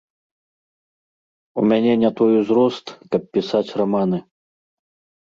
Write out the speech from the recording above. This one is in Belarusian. У мяне не той узрост, каб пісаць раманы.